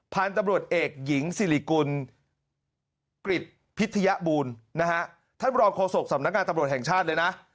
ผ่านตำรวจเอกหญิงศิริกุณกฤทธิบูรณ์ท่านบรรคโศกสำนักงานตำรวจแห่งชาติเลยนะ